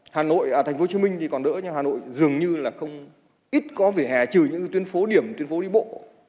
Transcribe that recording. hà nội thành phố hồ chí minh thì còn đỡ nhưng hà nội dường như là không ít có vỉa hè trừ những tuyến phố điểm tuyên phố đi bộ